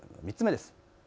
３つ目です。